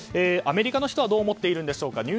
アメリカの人はどう思っているんでしょうか。